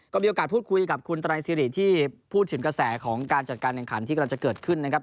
ก็มีโอกาสพูดคุยกับคุณไตรซิริที่พูดถึงกระแสของการจัดการแข่งขันที่กำลังจะเกิดขึ้นนะครับ